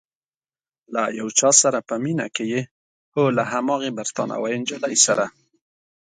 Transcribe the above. له یو چا سره په مینه کې یې؟ هو، له هماغې بریتانوۍ نجلۍ سره؟